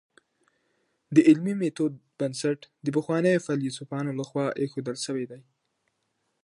د علمي ميتود بنسټ د پخوانیو فيلسوفانو لخوا ايښودل سوی دی.